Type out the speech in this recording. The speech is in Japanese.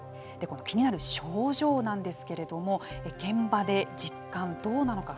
気になる症状なんですけれども現場で実感、どうなのか。